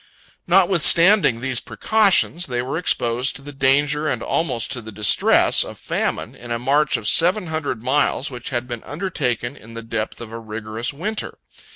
Notwithstanding these precautions, they were exposed to the danger, and almost to the distress, of famine, in a march of seven hundred miles, which had been undertaken in the depth of a rigorous winter.